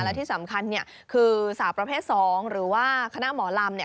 และที่สำคัญคือสาวประเภท๒หรือว่าคณะหมอลำ